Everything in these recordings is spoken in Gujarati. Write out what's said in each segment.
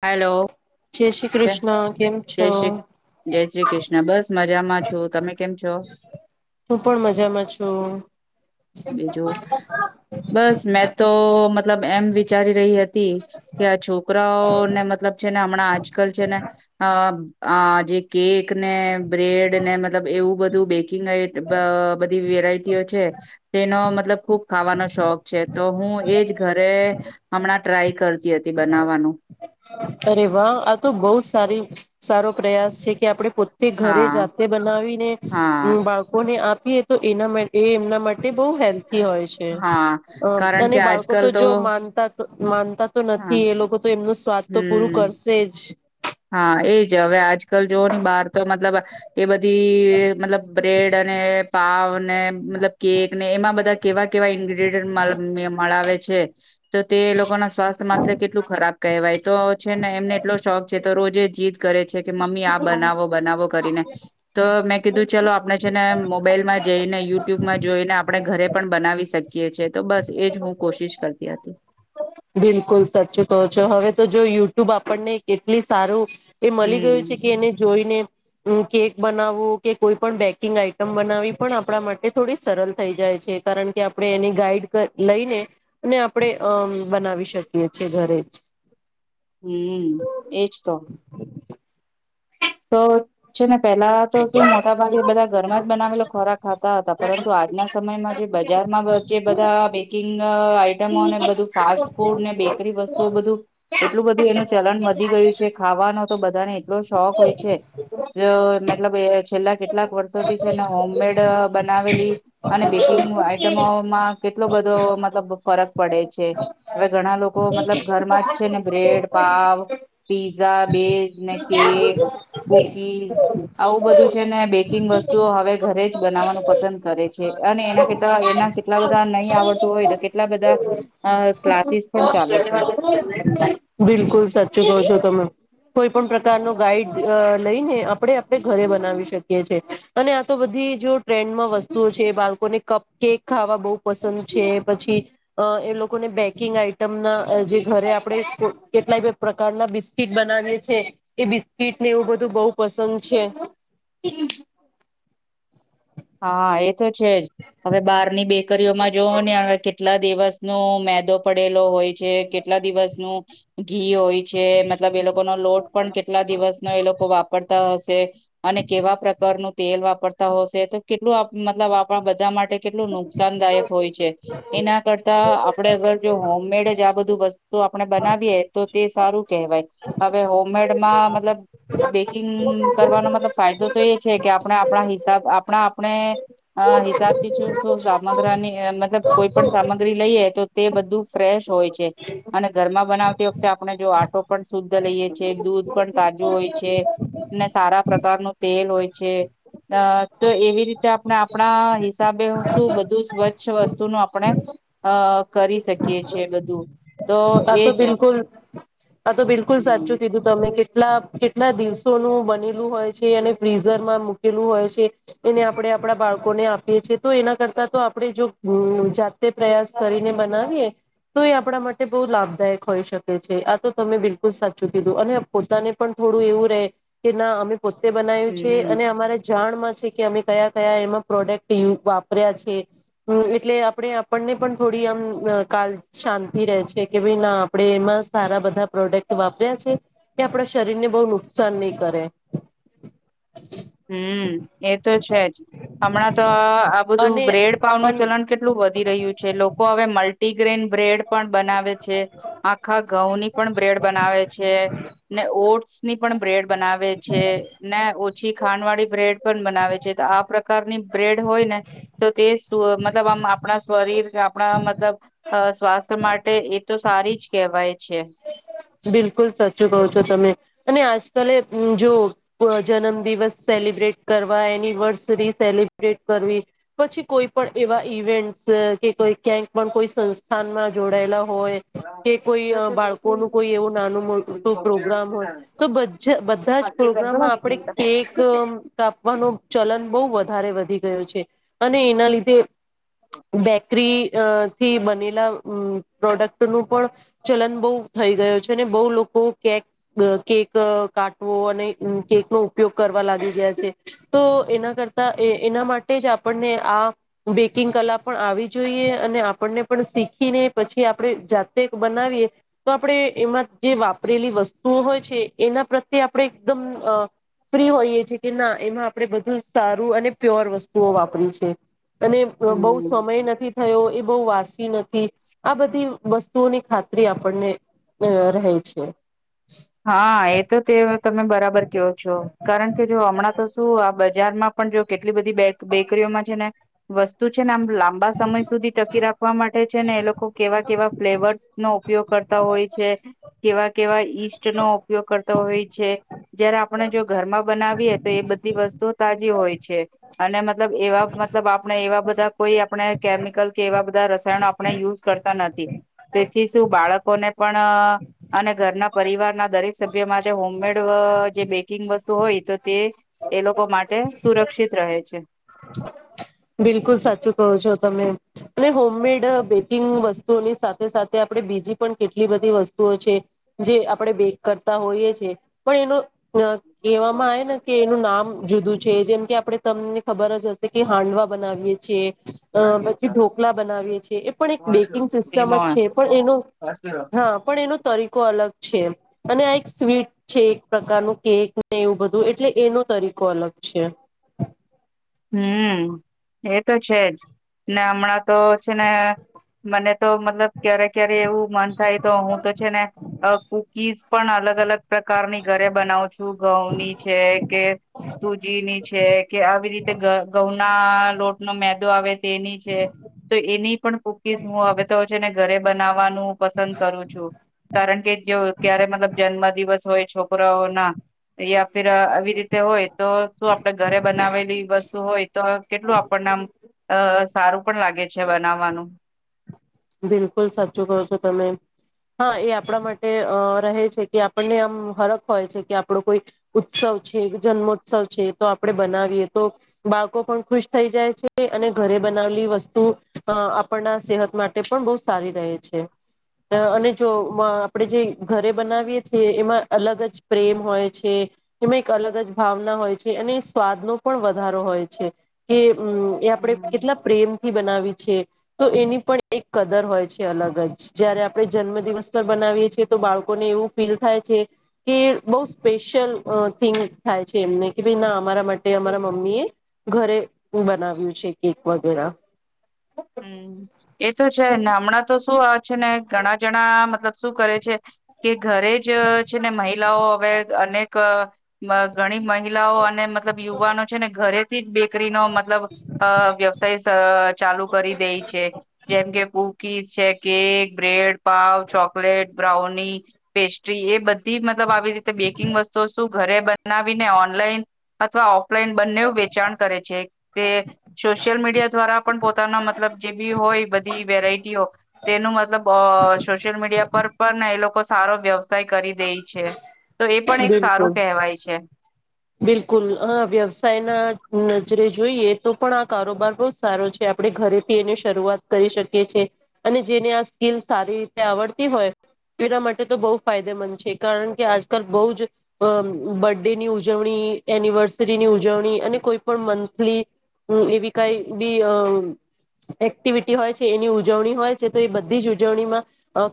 હલો જય શ્રી કૃષ્ણ કેમ છો શ્રી જય શ્રી કૃષ્ણ બસ મજામાં છું તમે કેમ છો હું પણ મજામાં છું બીજું બસ મેં તો મતલબ એમ વિચારી રહી હતી કે આ છોકરાઓને મતલબ છે ને હમણાં આજકાલ છે ને આ જે કેક ને બ્રેડ ને મતલબ એવું બધું બેકિંગ આ બધી વેરાયટીઓ છે તેનો મતલબ ખુબ ખાવાનો શોખ છે તો હું એજ ઘરે હમણાં ટ્રાય કરતી હતી બનાવવાનું અરે વાહ આ તો બહુ સારી સારો પ્રયાસ છે કે આપડે પો તે ઘરે હા જાતે બનાવીને હા બાળકોને આપીએ તો એના એ એમના માટે તે બહુ હેલ્થી હોય છે હા કારણ અને કે બાળકો આજકાલ તો જો માનતા માનતા તો હા નથી એ લોકો તો એમનું સ્વાદ તો પૂરું હમ્મ કરશે જ હા એજ હવે આજકાલ જોવઓ બહાર તો મતલબ એ બધા બધી મતલબ બ્રેડ અને પાવ ને મતલબ કેક ને એમાં બધા કેવા કેવા ઇન્ગ્રીડિયન્ટ મળાવે છે તો તે લોકો ના સ્વાસ્થ્ય માટે કેટલું ખરાબ કહેવાય તો છે ને એમને એટલો શોખ છે તો રોજે જીત કરે છે કે મમ્મી આ બનાવો બનાવો કરીને તો મેં કીધું ચલો આપણે છે ને મોબાઈલમાં જોઈને યુટ્યુબમાં જોઈને આપણે ઘરે પણ બનાવી શકીએ છે તો બસ એજ હું કોશિશ કરતી હતી બિલકુલ સાચું કો છો હવે તો જો યુ યુટ્યુબ આપણને કેટલી સારું એ મળી ગયું છે હમ્મ કે એને જોઈને કે બનાવવું કે કોઈ પણ બેકિંગ આઈટમ બનાવી પણ આપણા માટે થોડી સરળ થઈ જાય છે કારણ કે આપણે એની ગાઈડ લઈને અને આપણે અમ બનાવી શકીએ ઘરે જ હમ્મ એજ તો. તો છે ને પેલા તો શું મોટા ભાગે બધા ઘરમાં જ બનાવેલો ખોરાક ખાતા હતા પરંતુ આજના સમયમાં જે બજારમાં જે બધા કિંગ આઈટમો ને બધું ફાસ્ટ ફૂડ ને બેકરી વસ્તુઓ બધું એટલું બધું એનું ચલન વધી ગયું છે ખાવાનો તો બધા મતલબ છેલ્લા કેટલાક વર્ષોથી છેને હોમમેડ બનાવેલી અને બેકિં આઈટમોમાં કેટલો બધો મતલબ ફરક પડે છે હવે ઘણા લોકો મતલબ ઘ જ છે ને બ્રેડ પાવ પીઝા બેઝ ને કેક કુકીઝ આવું બધું છે ને બેકિંગ વસ્તુઓ હવે ઘરે જ બનાવવાનું પસંદ કરે છે. અને એના કેલા એના કેટલા બધા નહી આવડતું હોય તો કેટલા બધા ક્લાસીસ પણ ચાલે છે. બિલકુલ સાચું કહો છો તમે. કોઈ પણ પ્રકાર ન ગાઈડ લઈને આપણે આપણે ઘરે બનાવી શકીએ છીએ અને આ તો બધ બી જો ટ્રેન્ડમાં વસ્તુઓ છે બાળકોને કપ કેક ખાવા બહુ પસંદ છે પછી અ એ લોકોને બેકિંગ આ જે ઘરે આપણેે કેટલાય પ્રકારના બિસ્કીટ બનાવીએ છી એ બિસ્કીટ ને એવું બધું બહુ પસંદ છે. હા એ તો છે જ. હવે બહારની બેકરીઓમાં જોવો ને હવે કેટલા દિવસ ન મેદો પડેલો હોય છે કેટલા આટલા દિવસ નું ઘી હોય. જે મતલબ એ લોકો નો લોટ પણ કેટલા દિવસ નો એ લોકો વાપરતા હશે અને કેવા પ્રકારનું તેલ વાપરતા હોશે તો કેટલું આપ મતલબ આપણ બધા માટે માટે કેટલું નુકસાનદાયક હોય છે એના કરતા આપડે અગર જો હોમમેડ જ આ બધું બધું વસ્તુ આપણે બનાવીએ તો તે સારું કહેવાય હવે હોમમેડમાં મતલબ બેકિંગ કરવાનો મતલબ ફાયદો તો એ છે કે આપણે આપણા હિસાબ આપણા આપણે અ હિસાબથી શું સામગ્રાની મતલબ કોઈ પણ સામગ્રી લઈએે તો તે બધું ફ્રેશ હોય છે અને ઘરમાં બનાવતી વખતે આપણે જો આટો પણ શુદ્ધ લઈએ છીએ દૂધ પણ તાજું હોય છે ને સારા પ્રકારનું તેલ હોય છે અ તો એવી રી તે આપણે આપણા હિસાબે શું બધું સ્વચ્છ વસ્તુ નું આપણે અ કરી શકીએ છે બધું. તો આ તો એજ બિલકુલ આ તો બિલકુલ હમ સાચું કીધું તમે કે કેટલા કેટલા દિવસોનું બનેલું હોય છે અને ફ્રીઝર માં મૂકેલું હોય છે એને આપણે આપડા બાળકોને આપીએ છીએ તો એના કરતા તો આપણે જો અ જાતે પ્રયાસ કરીને બનાવીએ. તોય આપણા માટે તે બહુ લાભદાયક હોઈ શકે છે આ તો તમે બિલકુલ સાચું કીધું અને પોતાને પણ થોડું એવું રહેે કે ના અમે પોતે બનાય્યું છે હમ અને અમારા જાણમાં છે કે અમે કયા કયા એમાં પ્રોડક્ટિંગ વાપર્યા છે એટલે આપણે આપણને પણ થોડી આમ કાલ શાંતિ રહે છે. કે ભાઈ ના આપડે એમાં સારા બધા પ્રોડક્ટ વાપર્યા છે કે આપડા શરીર ને બહુ નુકસાન નહી કરે. [inaudible] હમ્મ એ તો છે જ હમણાં તો આ આ બધું અને બ્રેડ પાવ નું ચલન કેટલું વધી રહ્યું છે લોકો હવે મલ્ટ ગ્રેન બ્રેડ પણ બનાવે છે આખા ઘઉં ની પણ બ્રેડ બનાવે છે ને ઓટ્સ ની પણ બ્રેડ બનાવે છે ને ઓ પછી ખાંડવાળી બ્રેડ પણ બનાવે છે તો આ પ્રકારની બ્રેડ હોય ને તો તે શું મતલબ આ ક્લિપબોર્ડમાં સ્વાગત છે તમે જે ટેક્સ્ટને કૉપિ કરશો તેને અહીં સાચવવામાં આવશે. આપણા શરીર આપણા મતલબ અ સ્વાસ્થ્ય માટે એ તો સારી જ કહેવાય છે. બિલકુલ સાચું કહો છો તમે અને આજ કલે જો જન્મ દિવસ સેલિબ્રેટ કરવા એનિવર્સરી સેલિબ્રેટ કરવી પછી કોઈ પણ એ એવા ઇવેન્ટ્સ કે કોઈ ક્યાંક પણ કોઈ સંસ્થાનમાં જોડાયેલા હોય કે કોઈ બાળકોનું કોઈ એવું નાનું, મોટું પ્રોગ્રામ હોય તો બધ બધા જ પ્રોગ્રામમાં આપડે કેક કાપવાનો, ચલન બહુ વધારે વધી ગયો છે, અને એના લીધે બેકરી અ થી બનેલા પ્રોડક્ટ નું પણ ચલન બહુ થઈ ગયું છે, અને બહુ લોકો કેક કેક કાટવો અને કેક નો ઉપયોગ કરવા લાગી ગયા છે. તો એના કરતા એના માટે જ આપણને આ બેકિંગ કલા પણ આવી જોઈએ અને આપણને પણ શીખીને પછી આપણે જાતે બનાવીએ. તો આપણેે એમાં જે વાપરેલી વસ્તુઓ હોય છે એના પ્રત્યે આપણે એકદમ ફ્રી હોઈએ છે કે ના એમાં આપણે બધું સારું અને પ્યોર વસ્તુઓ વાપરી છે. અને બહુ હમ સમય નથી થયો એ બહુ વાસી નથી. આ બધી વસ્તુઓની ખાતરી આપણને રહે છે. હા, એ તો તે તમે બરાબર ક્યો છો, કારણ કે જો હમણાં તો શું આ બ બજારમાં પણ જો કેટલી બધી બે બેકરીઓમાં છે, ને વસ્તુ છે ને આમ લાંબા સમય સુધી ટકી રાખવા માટે છે, ને એ લોકો કેવા કેવા ફ્લેવર્સ નો ઉપયોગ કરતા હોય છે. કેવા કેવા ઇસ્ટ નો ઉપયોગ કરતો હોય છે. જયારે આપણે જો ઘરમાં બનાવીએ તો એ બધી વસ્તુ તાજી હોય. હોય છે, અને મતલબ એવા મતલબ આપણે એવા બધા કોઈ આપણે કેમિકલ કે એવા બધા રસાયણ ના આપણે યુઝ કરતા નથી તેથી શું બાળકોને પણ અને ઘરના પરિવાર ના દરેક સભ્ય માટે હોમમેડ અ જે બેકિંગ વસ્તુ હોય તો તે એ લોકો માટે સુ સુરક્ષિત રહે છે. બિલકુલ સાચું કહો છો તમે? અને હોમમેડ બેકિંગ વસ્તુઓની સાથે સાથે આપડે બીજી પણ કેટલી બધી વસ્તુઓ છે. જે આપણે બેક કરતા હોઈએ છે. એ પણ એનો કહેવામાં આવે ને કે એનું નામ જુદું છે. જેમ કે આપણે તમને ખબર જ હશે કે હાંડવા બનાવીએ છીએ. અ પછી ઢોકલા બનાવીએ છીએ, એ પણ એક બેકિંગ સિસ્ટમ જ વીમો છે. પણ એનો હા પણ એનો તરીકો અલગ છે અને આ એક સ્વીટ છે એક પ્રકારનું કેક ને એવું બધું એટલે એનો તરીકો અલગ અચ્છા! [inaudible] હમ, એ તો છેજ ને હમણાં તો છે. ને મને તો મતલબ ક્યારે ક્યારે એવું મન થાય તો હું તો છે, ને કુકીઝ પણ અલગ અલગ પ્રકારની ઘરે બનાવું છું. ઘઉંની છે કે સુૂજીની છે, કે આવી રીતે ઘઉંના લોટ નો મેદો આવે તેની છે. તો એની પણ કુકીઝ હું આવે તો હોય છેને ઘરે બવા પસંદ કરું છું કારણ કે જો ક્યારે મતલ જન્મ દિવસ હોય. છોકરાઓ ના યા ફિર આવી રીતે હોય તો શું આપડ ઘરે બનાવેલી વસ્તુ હોય તો કેટલું આપણને આમ સારું પણ લાગે છે, બનાવવાનું બિલકુલ સાચું કહો છો, તમે? હા એ આપણા માટે અ રહે છે, કે આપણને આમ હરખ હોય છે, કે આપડો કોઈ ઉત્સવ જન્મોત્સવ છે, તો આપણે બનાવીએ તો બાળકો પણ ખુશ થઈ જાય છે. અને ઘરે બનાલી વસ્તુ આપણના સેહત માટે પણ બહ સારી રહે છે. અને જો આપણેે જે ઘરે બનાવીએ છએ એમાં અલગ જ પ્રેમ હોય છે. એમાં એક અલગ જ ભાવના હોય છે, અને સ્વાદનો પણ વધારો હોય છે. કે હમ એ આપડણે હમ્મ. કેટલા પ્રેમથી બનાવી છે. તો એની પણ એક કદર હોય છે અલગ જ જયારે આપણે જન્મ દિવસ પર બનાવીએ છીએ તો બાળકોને એવું ફીલ થાય બ સ્પેશિય ફીલિંગ થાય છે, એમને કે ભ ના અમારા માટે અરા મમ્મી મમ્મી એ ઘરે બનાવ્યું છે. કેક વગેરા હમ, એ તો છે નામણા તો શું છે ને ઘણા જણા મતલબ શું કરે છે કે ઘરે જ છે ને મહિલાઓ હવે અને ક મ ગણી મય મહિલાઓ અને મતલબ યુવાનો છે ને ઘરેથી જ બેકરીનો મતલબ અ વ્યવસાય સ ચાલુ ઈછે જેમ કે કુકીઝ છે કેક બ્રેડ પાવ ચોકલેટ બ્રાઉની પેસ્ટ્રી એ બધ તીમતલબ આવી રીતે બેકિંગ વસ્તુ શું ઘરે બનાવીને ઓનલાઈન અથવા ઓફ પલ બંને વેચાણ કરે છે તે સોશિયલ મીડિયા દ્વારા પણ હા મતલ જે બી હોય બધી વેરાયટીઓ તેનું મતલબ અ સોશિયલ મીડિયા પર પણ લોકો સારો વ્યવસાય કરી દે છે તો એ પણ એક સારું બિલકુલ કહેવાય છે બિલકુલ અ વ્યવસાય ના નજરે જોઈએ તો પણ આ કારોબાર બહુજ સારો છે આપણે ઘરેથી એની શરૂઆત કરી શકીએ છીએ અને જેને આ સ્કીિલ સારી રીતે આવડતી હોય બીજા માટે તો બહુ ફાયદેમંદ છે કારણ કે આજકાલ બહુ જ બર ડ ન્યુ ઉજવણી એનિવર્સરી ની ઉજવણી અને કોઈ પણ મંથલી હમ એવી કઈ બી અ એક્ટિવિટી હોય છે એની ઉજવણી હોય છે તો એ બધી જ ઉજવણીમાં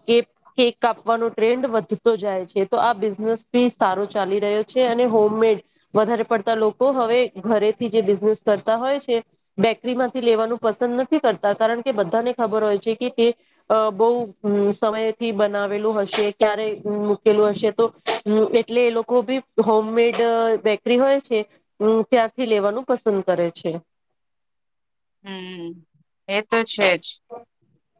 કેક કેક કાપવા અનુ ટ્રેન્ડ વધતો જાય છે તો આ બિઝનેસ બી સારો ચાલી રહ્યો છે અને હોમ મે વધારે પડતા લોકો હવે ઘરેથી જે બિઝનેસ કરતા હોય છે બેકરી માંથી લી દેવાનું પસંદ નથી કરતા કારણ કે બધાને ખબર હોય છે કે તે અ બહુ સમયથી બનાવેલું હશે ક્યારે મૂકેલું હશે તો એટલે એ લોકો બી હોમમેડ ચલ બેકરી હોય છે હુ ત્યાારથી લેવાનું પસંદ કરે છે હમ એ તો છેજ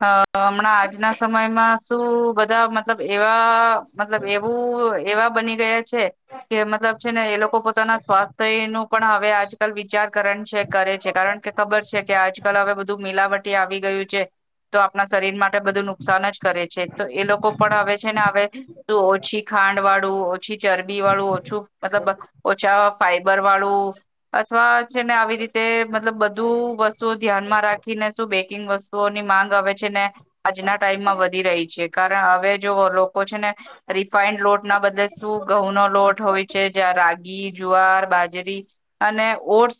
અ અ હમણાં આજના સમયમાં શું બધા મતલબ એવા મતલબ એવું એવા બની ગયા છે કે મતલબ છે ને એ લોકો પોતાના સ્વાસ્થ્ય નો પણ હવે આજકાલ વિચાર કરણ છે કરે છે કારણ કે ખબર છે કે આજકાલ હવે બધું મિલાવટ તે આવી ગયું છે તો આપણા શરીર માટે બધું નુકસાન જ કરે છે તો એ લોકો પણ આવે છે આવે તું ઓછી ખાંડ વાળ તોઓછી ચરબી વાળું ઓછું મતલબ ઓછા ફાઈબર વાળું અથવા છે ને આવી રીતે મતલબ બધું વસ્તુઓ ધ્યાનમાં રાખીને શું બે કીન વસ્તુઓની માંગ આવે છે ને આજના ટાઈમમાં વધી રહી છે કારણ હવે જો છે ને રિફાઈન્ડ લોટ ના બદલે શું ઘઉં નો લોટ હોય છે જં રા ઘી જુવાર બાજરી અને ઓટ્સ